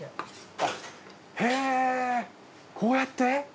へぇこうやって？